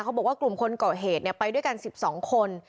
บอกว่ากลุ่มคนก่อเหตุไปด้วยกัน๑๒คน